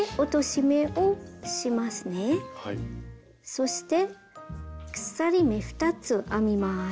そして鎖目２つ編みます。